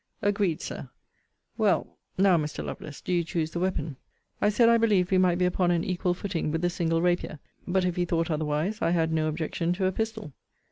Agreed, Sir. Well: now, Mr. Lovelace, do you choose the weapon. I said I believed we might be upon an equal footing with the single rapier; but, if he thought otherwise, I had no objection to a pistol.